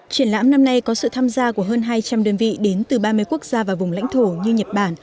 triển lãm năm nay có sự tham gia của hơn hai trăm linh đơn vị đến từ ba mươi quốc gia và vùng lãnh thổ như nhật bản